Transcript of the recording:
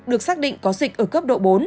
được xác định có dịch ở cấp độ bốn